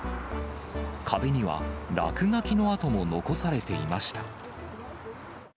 壁には落書きの跡も残されていました。